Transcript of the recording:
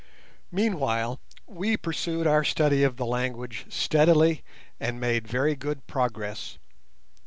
Meanwhile we pursued our study of the language steadily and made very good progress.